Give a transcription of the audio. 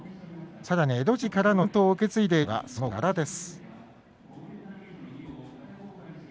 さらに江戸時代からの伝統を受け継いでいるのが、その柄です。